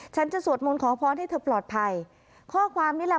ฉันจะสวดมนต์ขอพรให้เธอปลอดภัยข้อความนี้แหละ